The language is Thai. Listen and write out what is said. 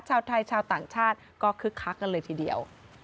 ชาวไทยชาวต่างชาติก็คึกคักกันเลยทีเดียว